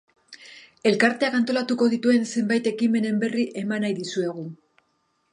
Elkarteak antolatuko dituen zenbait ekimenen berri eman nahi dizuegu.